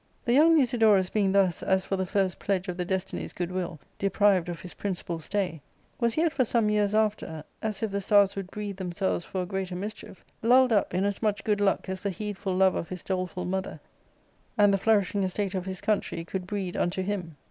The young Musidorus, being thus, as for the first pledge of the des tinies' good will, deprived of his principal stay, was yet for some years after, as if the stars would breathe themselves for a greater mischief, lulled up in as much good luck as the heedful love of his doleful mother and the flourishing estate of his country could breed unto him.